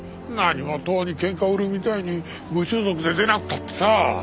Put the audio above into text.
何も党に喧嘩売るみたいに無所属で出なくたってさ。